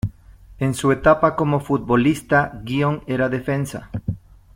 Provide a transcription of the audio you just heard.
En su etapa como futbolista, Guion era defensa.